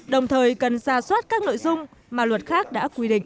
đồng thời cần ra soát các nội dung mà luật khác đã quy định